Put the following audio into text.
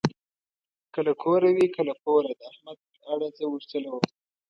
که له کوره وي که له پوره د احمد اړه زه ورچلوم.